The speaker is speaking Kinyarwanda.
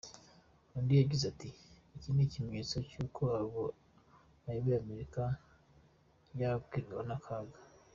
Undi yagize ati “Iki ni ikimenyetso cy’uko ayoboye Amerika yagwirwa n’akaga.